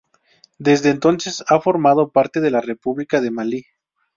Desde entonces ha formado parte de la República de Malí.